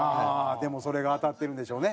でもそれが当たってるんでしょうね。